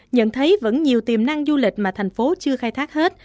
nhận thấy vẫn nhiều tiềm năng du lịch mà thành phố chưa khai thác hết